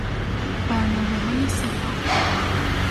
برنامههای سفر